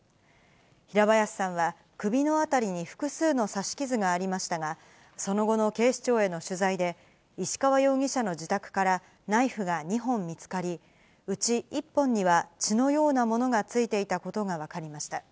平林さんは、首のあたりに複数の刺し傷がありましたが、その後の警視庁への取材で、石川容疑者の自宅からナイフが２本見つかり、うち１本には、血のようなものがついていたことが分かりました。